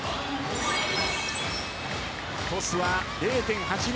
トスは０．８２。